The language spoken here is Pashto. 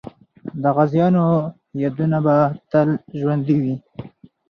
د غازیانو یادونه به تل ژوندۍ وي.